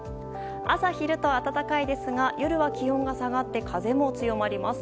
朝昼と暖かいですが夜は気温が下がって風も強まります。